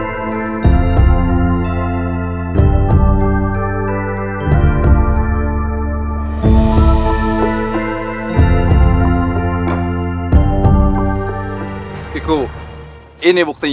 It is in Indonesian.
kisanak dengan sebutanku